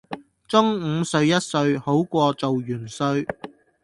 中午睡一睡好過做元帥